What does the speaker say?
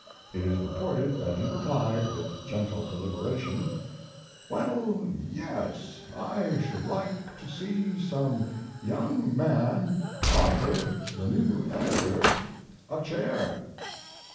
It is reported that he replied, with gentle deliberation: "Well, yes, I should like to see some young man offer the new editor a chair."